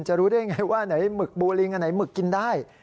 จะรู้ได้อย่างไรว่าไหนหมึกบูริงไหนหมึกกินได้